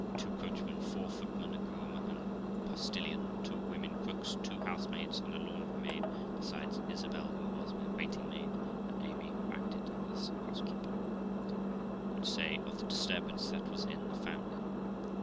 two coachmen, four footmen, a groom, and postillion, two women cooks, two housemaids, and a laundry maid, besides Isabel, who was my waiting maid, and Amy, who acted as housekeeper ) could say of the disturbance that was in the family.